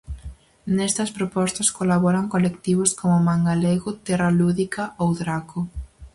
Nestas propostas colaboran colectivos como Mangalego, Terra Lúdica ou Draco.